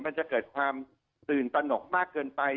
มันจะเกิดความตื่นตนกมากเกินไป